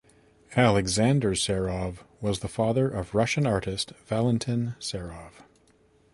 Alexander Serov was the father of Russian artist Valentin Serov.